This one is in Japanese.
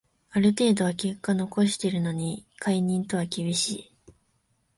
ある程度は結果残してるのに解任とは厳しい